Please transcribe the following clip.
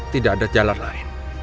tidak ada jalan lain